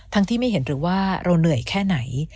ที่ไม่เห็นหรือว่าเราเหนื่อยแค่ไหน